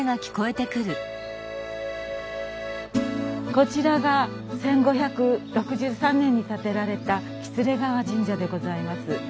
こちらが１５６３年に建てられた喜連川神社でございます。